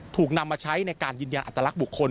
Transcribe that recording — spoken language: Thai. ถูกนำมาใช้ในการยืนยันอัตลักษณ์บุคคล